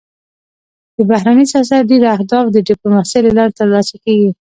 د بهرني سیاست ډېری اهداف د ډيپلوماسی له لارې تر لاسه کېږي.